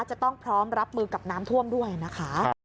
จะต้องพร้อมรับมือกับน้ำท่วมด้วยนะคะ